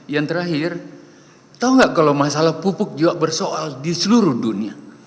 yang terakhir tau gak kalau masalah pupuk juga bersoal di seluruh dunia